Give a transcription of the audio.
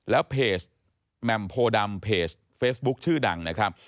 แล้วเพจแหม่มโพดำเพจเฟซบุ๊คชื่อดังนะครับ